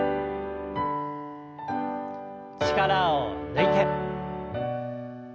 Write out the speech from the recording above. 力を抜いて。